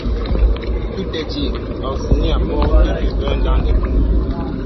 Tout est dit. — Orsini apporte du vin dans des pots.